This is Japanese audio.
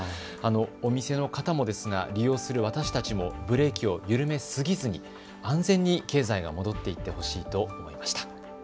お店の方もですが利用する私たちもブレーキを緩めすぎずに安全に経済が戻っていってほしいと思いました。